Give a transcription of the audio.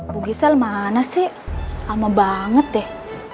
bu gisel mana sih lama banget deh